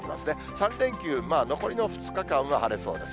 ３連休、残りの２日間は晴れそうです。